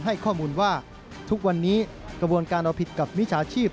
ให้ข้อมูลว่าทุกวันนี้กระบวนการเอาผิดกับมิจฉาชีพ